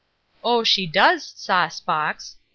"Oh, she does, sauce box!